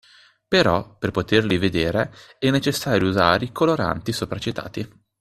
Però per poterli vedere è necessario usare i coloranti sopra citati.